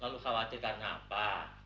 lalu khawatir karena apa